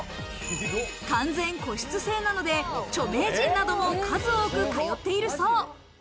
完全個室制なので、著名人なども数多く通っているそう。